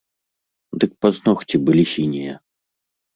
Дык пазногці былі сінія.